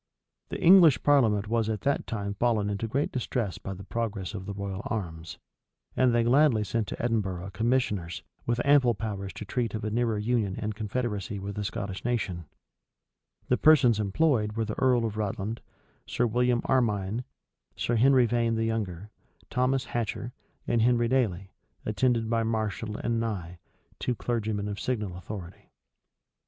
The English parliament was at that time fallen into great distress by the progress of the royal arms; and they gladly sent to Edinburgh commissioners, with ample powers to treat of a nearer union and confederacy with the Scottish nation. The persons employed were the earl of Rutland, Sir William Armyne, Sir Henry Vane the younger, Thomas Hatcher, and Henry Dailey, attended by Marshall and Nye, two clergymen of signal authority.[] * Rush. vol. vi. p. 406. Whitlocke, p. 73. Rush.